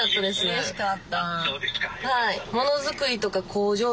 うれしかった。